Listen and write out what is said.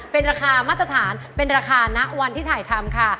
เป็นราคามาตรฐานเป็นราคานะวันที่ถ่ายทำค่ะ